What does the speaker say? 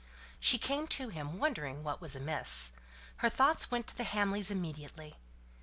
She came to him, wondering what was amiss. Her thoughts went to the Hamleys immediately.